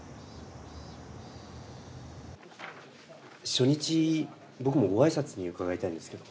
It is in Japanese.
初日僕もご挨拶に伺いたいんですけど。